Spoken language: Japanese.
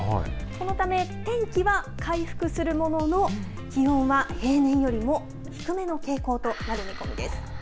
このため、天気は回復するものの気温は平年よりも低めの傾向となる見込みです。